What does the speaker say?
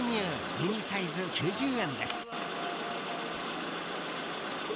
ミニサイズ、９０円です。